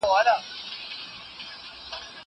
شهیدعبدالقدیم پتیال